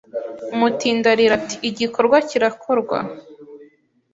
Umutindi arira ati `Igikorwa kirakorwa